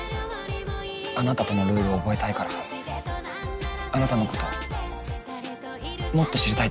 あなたとのルール覚えたいからあなたのこともっと知りたいです。